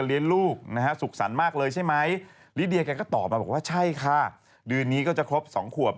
นี่ก็เป็นหน้านี่ไง